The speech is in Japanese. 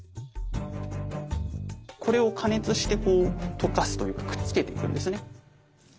これを加熱してこう溶かすというかくっつけていくんですね。